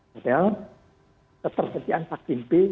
padahal ketersediaan vaksin b